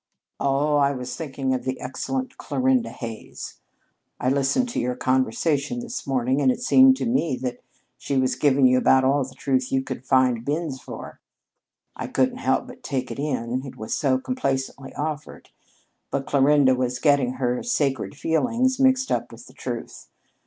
"Oh, I was thinking of the excellent Clarinda Hays. I listened to your conversation this morning and it seemed to me that she was giving you about all the truth you could find bins for. I couldn't help but take it in, it was so complacently offered. But Clarinda was getting her 'sacred feelings' mixed up with the truth.